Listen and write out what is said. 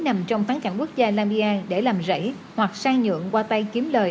nằm trong phán cảng quốc gia lam bi an để làm rẫy hoặc sang nhượng qua tay kiếm lời